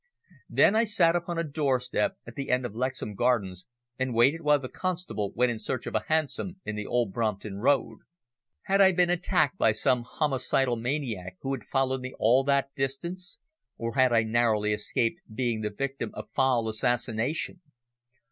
Then I sat upon a doorstep at the end of Lexham Gardens and waited while the constable went in search of a hansom in the Old Brompton Road. Had I been attacked by some homicidal maniac who had followed me all that distance, or had I narrowly escaped being the victim of foul assassination?